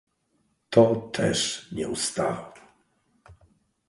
"To też nie ustawał."